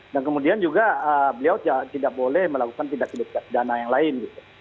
dan kemudian juga beliau tidak boleh melakukan tindak hidup dana yang lain